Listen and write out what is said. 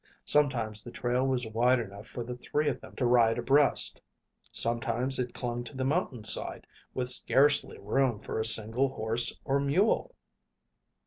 Sometimes the trail was wide enough for the three of them to ride abreast. Sometimes it clung to the mountainside with scarcely room for a single horse or mule.